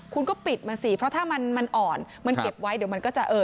คุณก็ปิดมันสิถ้ามันอ่อนเก็บไว้เดี๋ยวมันจะ